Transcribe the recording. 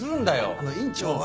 あの院長は。